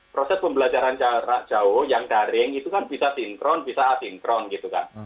proses pembelajaran jarak jauh yang daring itu kan bisa sinkron bisa asinkron gitu kan